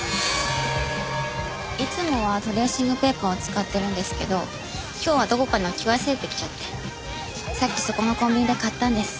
いつもはトレーシングペーパーを使ってるんですけど今日はどこかに置き忘れてきちゃってさっきそこのコンビニで買ったんです。